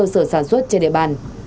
sở sản xuất trên địa bàn